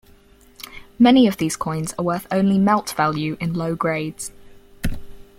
Many of these coins are worth only melt value in low grades.